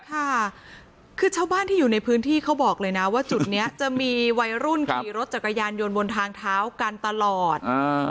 ค่ะคือชาวบ้านที่อยู่ในพื้นที่เขาบอกเลยนะว่าจุดนี้จะมีวัยรุ่นขี่รถจักรยานยนต์บนทางเท้ากันตลอด